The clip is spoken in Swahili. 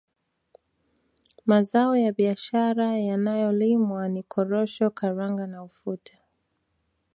Mazao ya biashara yanayolimwa ni Korosho Karanga na Ufuta